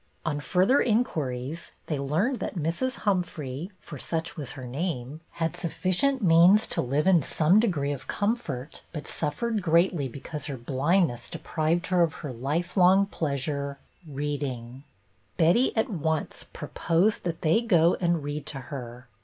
On further inquiries they learned that Mrs. Humphrey, for such was her name, had sufficient means to live in 224 BETTY BAIRD some degree of comfort, but suffered greatly because her blindness deprived her of her life long pleasure, reading. Betty at once proposed that they go and read to her.